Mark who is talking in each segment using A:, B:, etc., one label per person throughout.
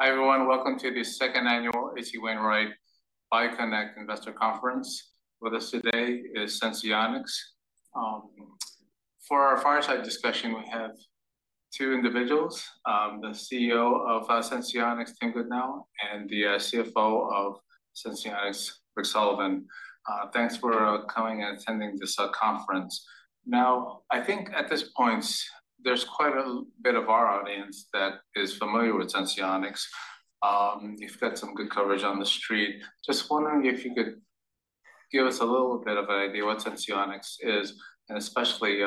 A: Hi, everyone. Welcome to the 2nd Annual H.C. Wainwright BioConnect Investor Conference. With us today is Senseonics. For our fireside discussion, we have two individuals, the CEO of Senseonics, Tim Goodnow, and the CFO of Senseonics, Rick Sullivan. Thanks for coming and attending this conference. Now, I think at this point, there's quite a bit of our audience that is familiar with Senseonics. You've got some good coverage on the Street. Just wondering if you could give us a little bit of an idea what Senseonics is, and especially,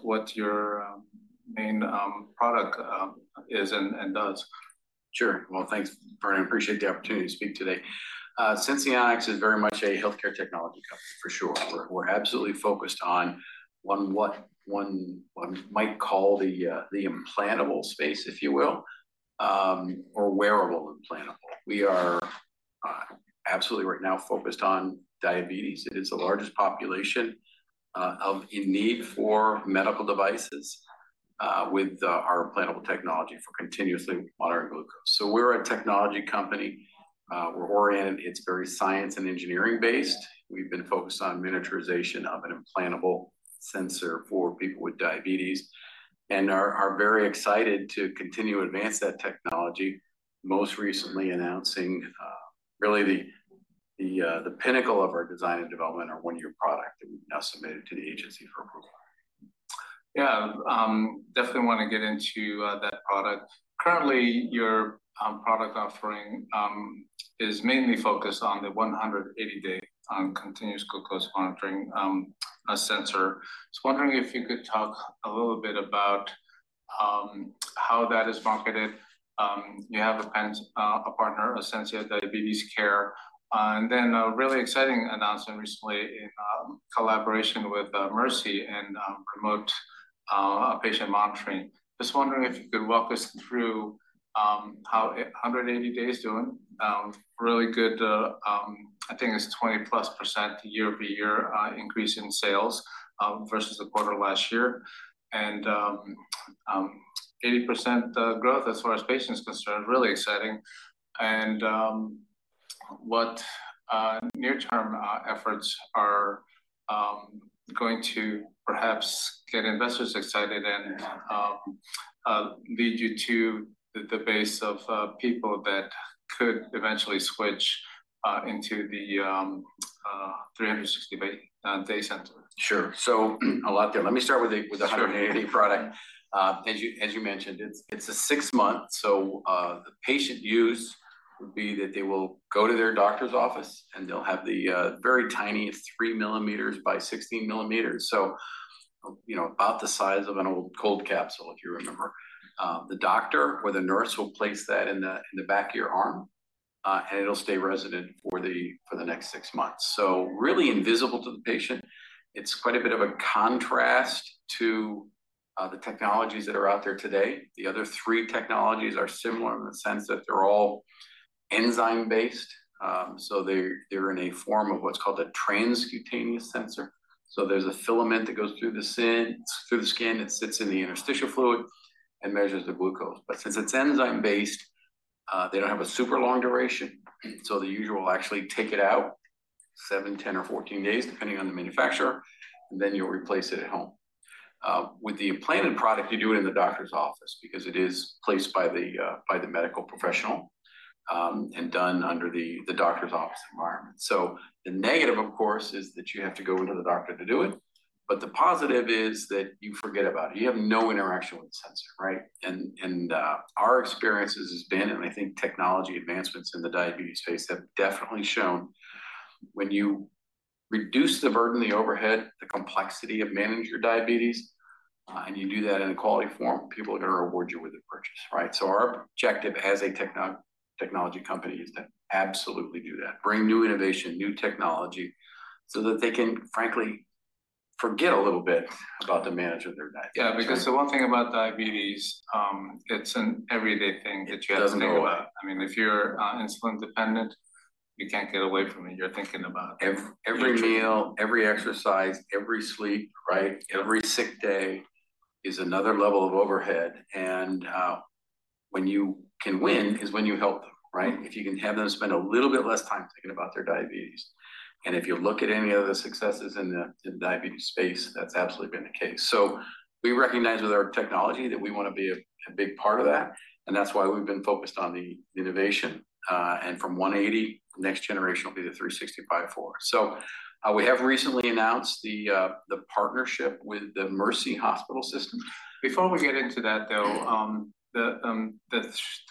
A: what your main product is and does?
B: Sure. Well, thanks, Vern. I appreciate the opportunity to speak today. Senseonics is very much a healthcare technology company, for sure. We're absolutely focused on what one might call the implantable space, if you will, or wearable implantable. We are absolutely right now focused on diabetes. It is the largest population of in need for medical devices with our implantable technology for continuously monitoring glucose. So we're a technology company. We're oriented. It's very science and engineering based. We've been focused on miniaturization of an implantable sensor for people with diabetes, and are very excited to continue to advance that technology, most recently announcing really the pinnacle of our design and development, our one-year product, and we've now submitted to the agency for approval.
A: Yeah, definitely wanna get into that product. Currently, your product offering is mainly focused on the 180-day continuous glucose monitoring sensor. I was wondering if you could talk a little bit about how that is marketed. You have a partner, Ascensia Diabetes Care, and then a really exciting announcement recently in collaboration with Mercy in remote patient monitoring. Just wondering if you could walk us through how a 180-day is doing? Really good, I think it's 20+% year-over-year increase in sales versus the quarter last year, and 80% growth as far as patients concerned, really exciting. What near-term efforts are going to perhaps get investors excited and lead you to the base of people that could eventually switch into the 365-day sensor?
B: Sure. So a lot there. Let me start with the 180 product. As you mentioned, it's a 6-month, the patient use would be that they will go to their doctor's office, and they'll have the very tiny, it's 3 millimeters by 16 millimeters, you know, about the size of an old cold capsule, if you remember. The doctor or the nurse will place that in the back of your arm, and it'll stay resident for the next 6 months. So really invisible to the patient. It's quite a bit of a contrast to the technologies that are out there today. The other 3 technologies are similar in the sense that they're all enzyme-based. They're in a form of what's called a transcutaneous sensor. So there's a filament that goes through the skin, it sits in the interstitial fluid, and measures the glucose. But since it's enzyme-based, they don't have a super long duration, so the user will actually take it out 7, 10, or 14 days, depending on the manufacturer, and then you'll replace it at home. With the implanted product, you do it in the doctor's office, because it is placed by the medical professional, and done under the doctor's office environment. So the negative, of course, is that you have to go into the doctor to do it, but the positive is that you forget about it. You have no interaction with the sensor, right? Our experiences has been, and I think technology advancements in the diabetes space have definitely shown, when you reduce the burden, the overhead, the complexity of managing your diabetes, and you do that in a quality form, people are gonna reward you with a purchase, right? So our objective as a technology company is to absolutely do that. Bring new innovation, new technology, so that they can frankly forget a little bit about the management of their diabetes-
A: Yeah, because the one thing about diabetes, it's an everyday thing that you have to think about.
B: It doesn't go away.
A: I mean, if you're insulin dependent, you can't get away from it. You're thinking about it.
B: Every meal, every exercise, every sleep, right, every sick day is another level of overhead, and when you can win is when you help them, right? If you can have them spend a little bit less time thinking about their diabetes. And if you look at any of the successes in the diabetes space, that's absolutely been the case. So we recognize with our technology that we wanna be a big part of that, and that's why we've been focused on the innovation. And from 180, the next generation will be the 365. So, we have recently announced the partnership with the Mercy Hospital system.
A: Before we get into that, though, the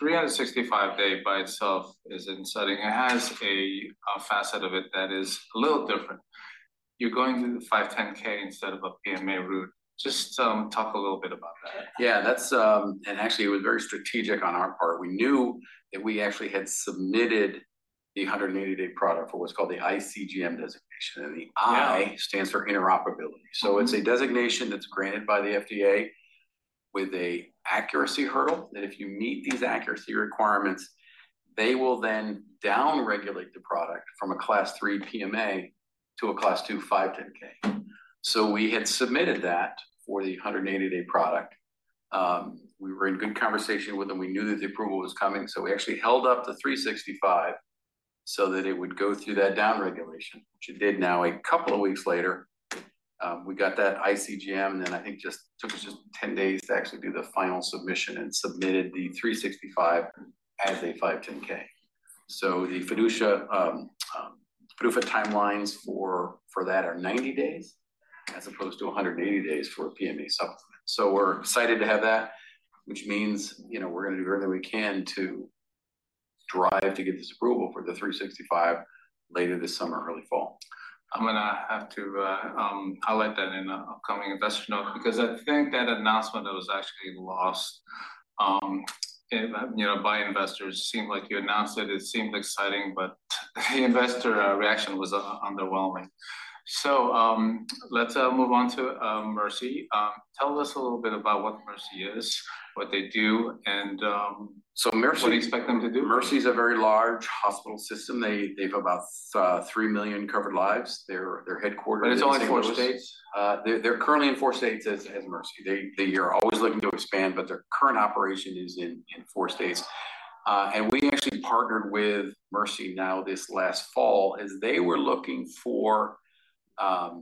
A: 365-day by itself is exciting. It has a facet of it that is a little different. You're going through the 510(k) instead of a PMA route. Just talk a little bit about that.
B: Yeah, that's actually, it was very strategic on our part. We knew that we actually had submitted the 180-day product for what's called the iCGM designation, and the i- stands for interoperability. So it's a designation that's granted by the FDA, with an accuracy hurdle, that if you meet these accuracy requirements, they will then down-regulate the product from a Class III PMA to a Class II 510(k). So we had submitted that for the 180-day product. We were in good conversation with them, we knew that the approval was coming, so we actually held up the 365 so that it would go through that down-regulation, which it did. Now, a couple of weeks later, we got that iCGM, and then I think just took us just 10 days to actually do the final submission, and submitted the 365 as a 510(k). So the FDA timelines for that are 90 days, as opposed to 180 days for a PMA supplement. We're excited to have that, which means, you know, we're gonna do everything we can to drive to get this approval for the 365 later this summer, early fall.
A: I'm gonna have to highlight that in an upcoming investor note, because I think that announcement was actually lost, and, you know, by investors. Seemed like you announced it, it seemed exciting, but the investor reaction was underwhelming. So, let's move on to Mercy. Tell us a little bit about what Mercy is, what they do, and-
B: So Mercy-
A: What do you expect them to do?
B: Mercy is a very large hospital system. They, they've about 3 million covered lives. They're headquartered-
A: But it's only in four states?
B: They're currently in four states as Mercy. They are always looking to expand, but their current operation is in four states. And we actually partnered with Mercy now this last fall, as they were looking for a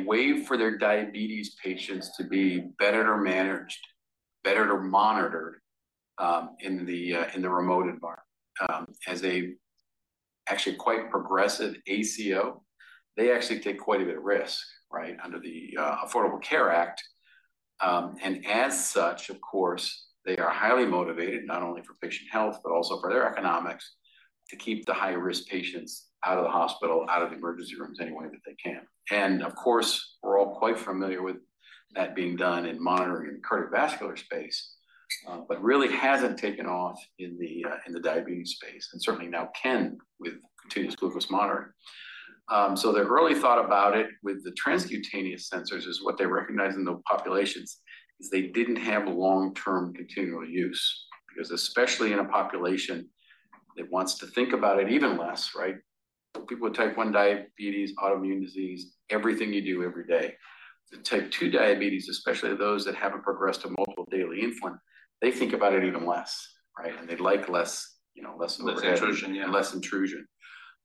B: way for their diabetes patients to be better managed, better to monitor in the remote environment. As an actually quite progressive ACO, they actually take quite a bit of risk, right, under the Affordable Care Act. And as such, of course, they are highly motivated, not only for patient health, but also for their economics, to keep the high-risk patients out of the hospital, out of the emergency rooms, any way that they can. Of course, we're all quite familiar with that being done in monitoring in the cardiovascular space, but really hasn't taken off in the diabetes space, and certainly now can with continuous glucose monitoring. So their early thought about it with the transcutaneous sensors is what they recognize in the populations: they didn't have long-term continual use. Because especially in a population that wants to think about it even less, right? People with Type 1 Diabetes, autoimmune disease, everything you do every day. The Type 2 Diabetes, especially those that haven't progressed to multiple daily insulin, they think about it even less, right? And they'd like less, you know, less-
A: Less intrusion, yeah.
B: Less intrusion.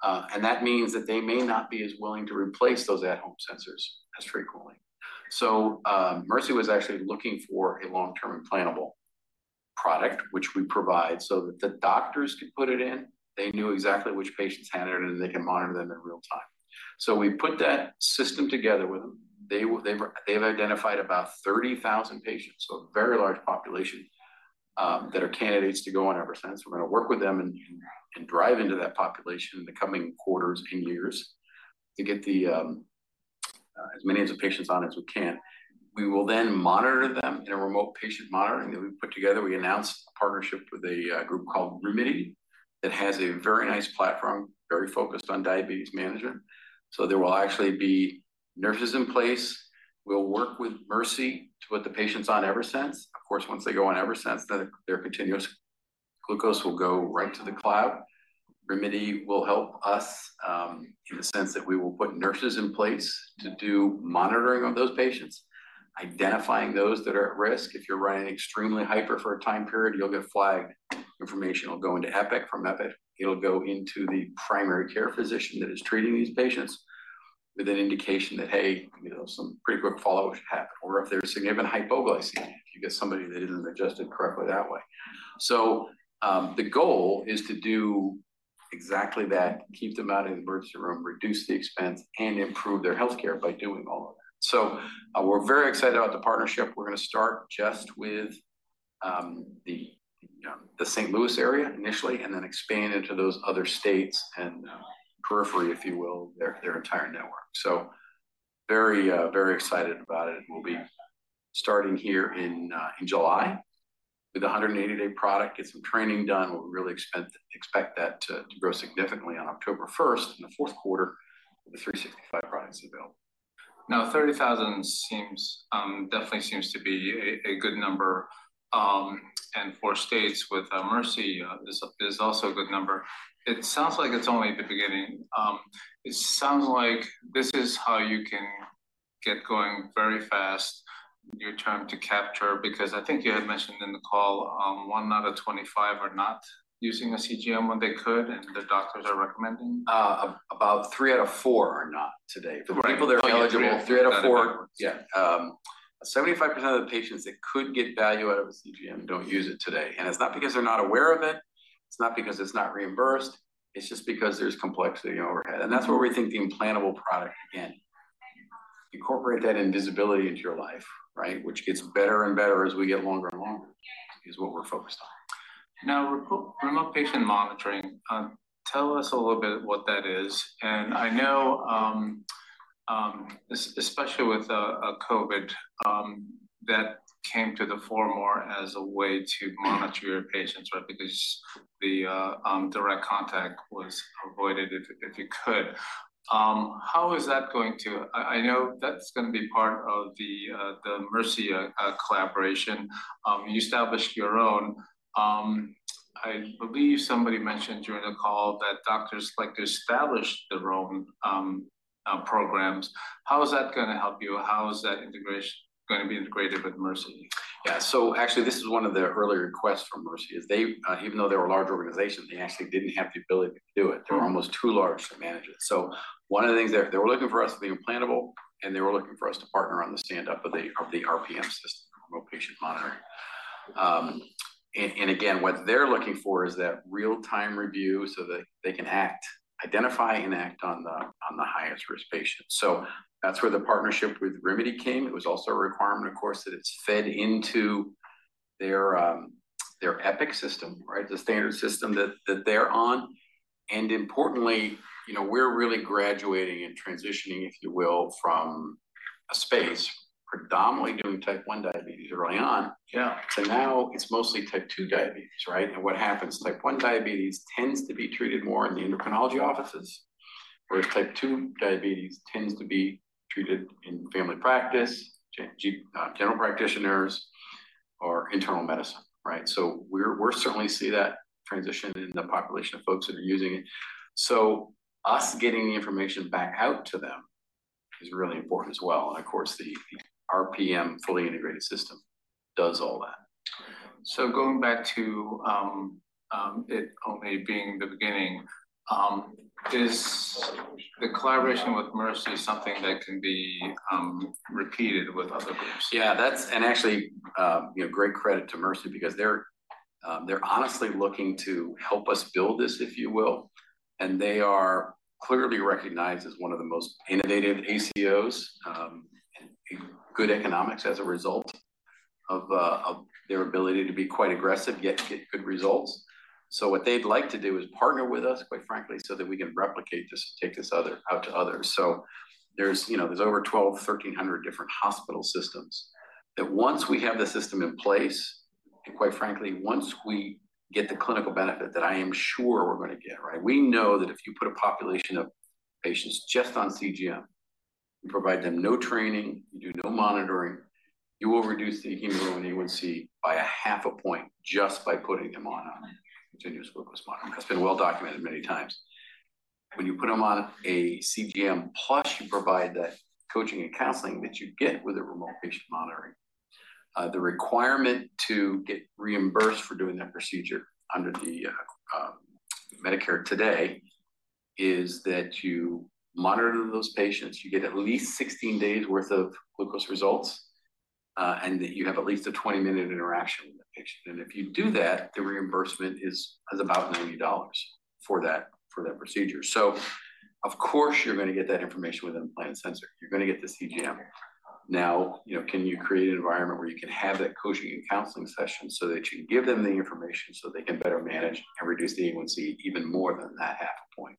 B: And that means that they may not be as willing to replace those at-home sensors as frequently. So, Mercy was actually looking for a long-term implantable product, which we provide, so that the doctors could put it in, they knew exactly which patients had it, and they can monitor them in real time. So we put that system together with them. They've identified about 30,000 patients, so a very large population, that are candidates to go on Eversense. We're gonna work with them and drive into that population in the coming quarters and years, to get as many of the patients on as we can. We will then monitor them in a remote patient monitoring that we put together. We announced a partnership with a group called Rimidi, that has a very nice platform, very focused on diabetes management. So there will actually be nurses in place. We'll work with Mercy to put the patients on Eversense. Of course, once they go on Eversense, then their continuous glucose will go right to the cloud. Rimidi will help us, in the sense that we will put nurses in place to do monitoring of those patients, identifying those that are at risk. If you're running extremely hyper for a time period, you'll get flagged, information will go into Epic. From Epic, it'll go into the primary care physician that is treating these patients, with an indication that, hey, you know, some pretty quick follow-up should happen. Or if there's significant hypoglycemia, you get somebody that isn't adjusted correctly that way. So, the goal is to do exactly that, keep them out of the emergency room, reduce the expense, and improve their healthcare by doing all of that. We're very excited about the partnership. We're gonna start just with the St. Louis area initially, and then expand into those other states and periphery, if you will, their entire network. Very excited about it, and we'll be starting here in July with the 180-day product, get some training done. We really expect that to grow significantly on October 1st, in the fourth quarter, when the 365 product is available.
A: Now, 30,000 seems definitely seems to be a good number. And four states with Mercy is also a good number. It sounds like it's only the beginning. It sounds like this is how you can get going very fast, your time to capture, because I think you had mentioned in the call, one out of 25 are not using the CGM when they could, and the doctors are recommending?
B: About three out of four are not today.
A: Right.
B: The people that are eligible, 3 out of 4-
A: Yeah.
B: 75% of the patients that could get value out of a CGM don't use it today, and it's not because they're not aware of it, it's not because it's not reimbursed, it's just because there's complexity and overhead. That's where we think the implantable product can incorporate that invisibility into your life, right? Which gets better and better as we get longer and longer, is what we're focused on.
A: Now, remote patient monitoring, tell us a little bit what that is. And I know, especially with COVID, that came to the fore more as a way to monitor your patients, right? Because the direct contact was avoided, if you could. How is that going to. I know that's gonna be part of the Mercy collaboration. You established your own. I believe somebody mentioned during the call that doctors like to establish their own programs. How is that gonna help you? How is that integration going to be integrated with Mercy?
B: Yeah, so actually, this is one of the earlier requests from Mercy, is they even though they're a large organization, they actually didn't have the ability to do it. They were almost too large to manage it. So one of the things that they were looking for us to be implantable, and they were looking for us to partner on the stand-up of the RPM system, Remote Patient Monitoring. And again, what they're looking for is that real-time review so that they can act, identify and act on the highest risk patients. So that's where the partnership with Rimidi came. It was also a requirement, of course, that it's fed into their Epic system, right? The standard system that they're on. Importantly, you know, we're really graduating and transitioning, if you will, from a space predominantly doing Type 1 Diabetes early on.
A: Yeah.
B: So now it's mostly Type 2 Diabetes, right? And what happens, Type 1 Diabetes tends to be treated more in the endocrinology offices, whereas Type 2 Diabetes tends to be treated in family practice, general practitioners, or internal medicine, right? So we're certainly see that transition in the population of folks that are using it. So us getting the information back out to them is really important as well, and of course, the RPM fully integrated system does all that.
A: So going back to it only being the beginning, is the collaboration with Mercy something that can be repeated with other groups?
B: Yeah, that's and actually, you know, great credit to Mercy because they're honestly looking to help us build this, if you will, and they are clearly recognized as one of the most innovative ACOs, and good economics as a result of their ability to be quite aggressive, yet get good results. So what they'd like to do is partner with us, quite frankly, so that we can replicate this, take this other out to others. So there's, you know, there's over 1,200-1,300 different hospital systems, that once we have the system in place, and quite frankly, once we get the clinical benefit that I am sure we're gonna get, right? We know that if you put a population of patients just on CGM, you provide them no training, you do no monitoring, you will reduce the hemoglobin A1C by half a point, just by putting them on a continuous glucose monitor. That's been well documented many times. When you put them on a CGM, plus you provide the coaching and counseling that you get with a remote patient monitoring, the requirement to get reimbursed for doing that procedure under the Medicare today, is that you monitor those patients, you get at least 16 days' worth of glucose results, and that you have at least a 20-minute interaction with the patient. And if you do that, the reimbursement is about $90 for that, for that procedure. So of course, you're gonna get that information with an implant sensor. You're gonna get the CGM. Now, you know, can you create an environment where you can have that coaching and counseling session so that you can give them the information, so they can better manage and reduce the A1C even more than that half a point?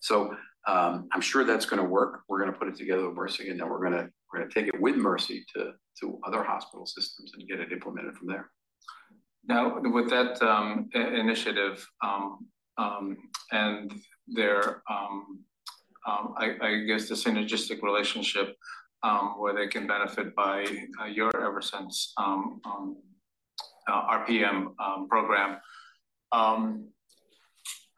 B: So, I'm sure that's gonna work. We're gonna put it together with Mercy, and then we're gonna take it with Mercy to other hospital systems and get it implemented from there.
A: Now, with that, initiative, and their, I guess, the synergistic relationship, where they can benefit by, your Eversense, RPM, program,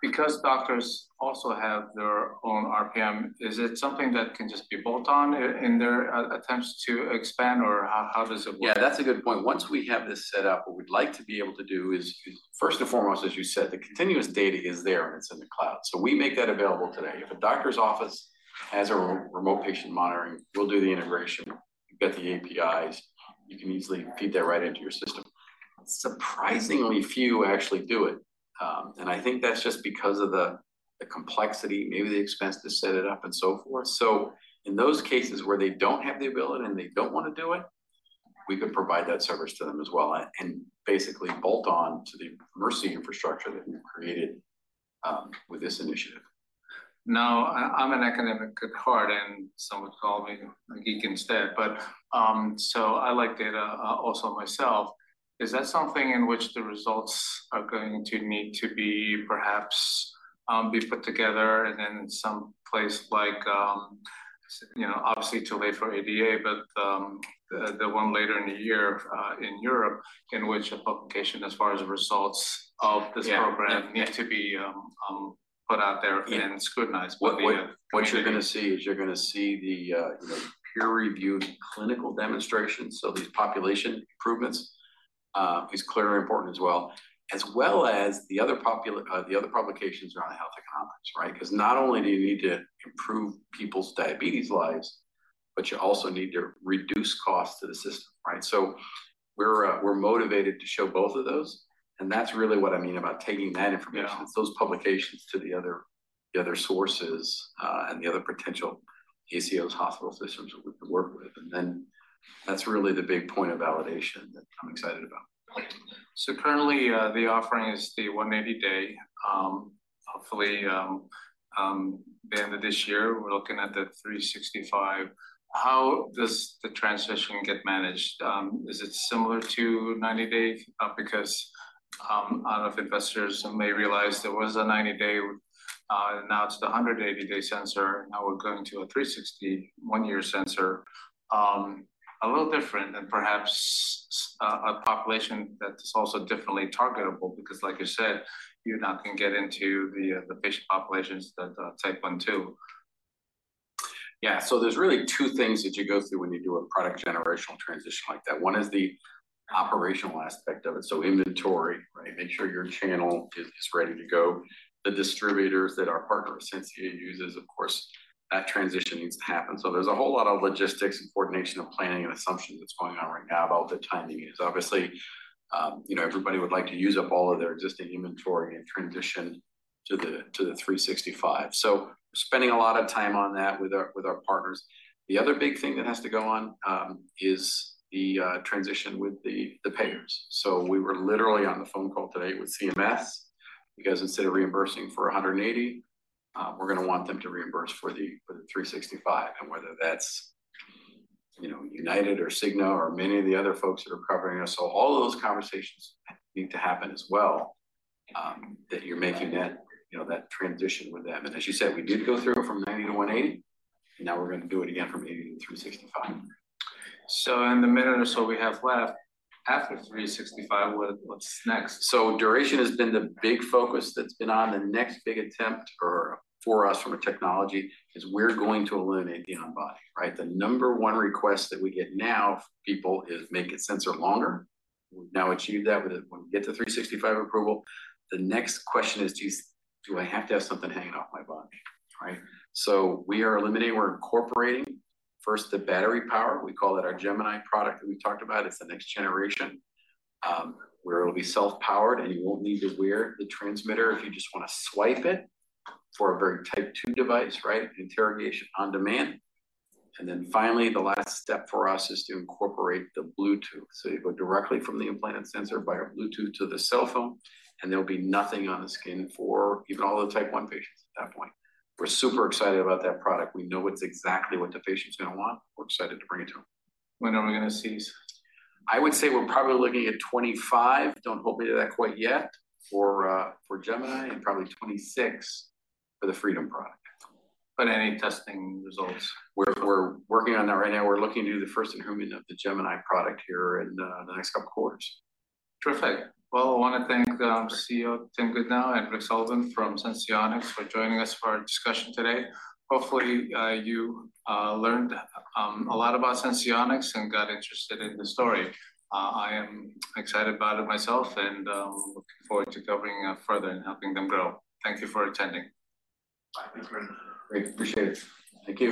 A: because doctors also have their own RPM, is it something that can just be bolt-on in their, attempts to expand, or how does it work?
B: Yeah, that's a good point. Once we have this set up, what we'd like to be able to do is first and foremost, as you said, the continuous data is there, and it's in the cloud. So we make that available today. If a doctor's office has a Remote Patient Monitoring, we'll do the integration, get the APIs. You can easily feed that right into your system. Surprisingly few actually do it, and I think that's just because of the complexity, maybe the expense to set it up, and so forth. So in those cases where they don't have the ability and they don't want to do it, we can provide that service to them as well, and basically bolt on to the Mercy infrastructure that we've created with this initiative.
A: Now, I'm an academic at heart, and some would call me a geek instead, but so I like data, also myself. Is that something in which the results are going to need to be perhaps put together and then someplace like, you know, obviously too late for ADA, but the one later in the year, in Europe, in which a publication, as far as the results of this program need to be, put out there and scrutinized by the-
B: What you're gonna see is the, you know, peer-reviewed clinical demonstrations, so these population improvements is clearly important as well, as well as the other publications are on the health economics, right? 'Cause not only do you need to improve people's diabetes lives, but you also need to reduce costs to the system, right? So we're motivated to show both of those, and that's really what I mean about taking that information, those publications to the other, the other sources, and the other potential ACOs, hospital systems that we can work with. And then, that's really the big point of validation that I'm excited about.
A: So currently, the offering is the 90-day. Hopefully, the end of this year, we're looking at the 365. How does the transition get managed? Is it similar to 90-day? Because, a lot of investors may realize there was a 90-day, now it's the 180-day sensor, now we're going to a 360, one-year sensor. A little different, and perhaps, a population that is also differently targetable, because like you said, you're not gonna get into the, the patient populations that, Type 1, 2.
B: Yeah. So there's really two things that you go through when you do a product generational transition like that. One is the operational aspect of it, so inventory, right? Make sure your channel is ready to go. The distributors that our partner, Senseonics, uses, of course, that transition needs to happen. So there's a whole lot of logistics and coordination of planning and assumption that's going on right now about the timing, is obviously, you know, everybody would like to use up all of their existing inventory and transition to the, to the 365. So spending a lot of time on that with our partners. The other big thing that has to go on is the transition with the payers. So we were literally on the phone call today with CMS, because instead of reimbursing for 180, we're gonna want them to reimburse for the, for the 365, and whether that's, you know, United or Cigna or many of the other folks that are covering us. So all of those conversations need to happen as well, that you're making that, you know, that transition with them. And as you said, we did go through it from 90 to 180, and now we're gonna do it again from 80 to 365.
A: So in the minute or so we have left, after 365, what, what's next?
B: So duration has been the big focus that's been on. The next big attempt for us from a technology is we're going to eliminate the on-body, right? The number one request that we get now, people, is make it sensor longer. We've now achieved that with the 365 approval. The next question is, do you, do I have to have something hanging off my body, right? So we are eliminating, we're incorporating first the battery power; we call it our Gemini product that we talked about. It's the next generation where it'll be self-powered and you won't need to wear the transmitter if you just wanna swipe it for a very Type 2 device, right? Interrogation on demand. And then finally, the last step for us is to incorporate the Bluetooth. So you go directly from the implanted sensor via Bluetooth to the cell phone, and there'll be nothing on the skin for even all the Type 1 patients at that point. We're super excited about that product. We know it's exactly what the patient's gonna want. We're excited to bring it to them.
A: When are we gonna see this?
B: I would say we're probably looking at 2025, don't hold me to that quite yet, for Gemini, and probably 2026 for the Freedom product.
A: But any testing results?
B: We're working on that right now. We're looking to do the first enrollment of the Gemini product here in the next couple quarters.
A: Terrific. Well, I wanna thank, CEO Tim Goodnow and Rick Sullivan from Senseonics for joining us for our discussion today. Hopefully, you learned a lot about Senseonics and got interested in the story. I am excited about it myself and, looking forward to covering up further and helping them grow. Thank you for attending. Thanks, Rick.
B: Great, appreciate it. Thank you.